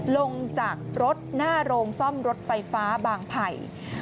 ลงจากรถหน้าโรงซ่อมรถไฟฟ้าบางไผ่